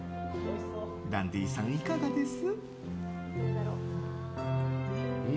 ダンディさん、いかがです？